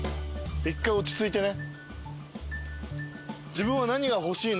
一回落ち着いてね。